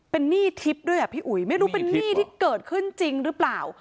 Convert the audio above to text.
เป็นหนี้ทิพย์ด้วยอ่ะพี่อุ๋ยไม่รู้เป็นหนี้ที่เกิดขึ้นจริงหรือเปล่า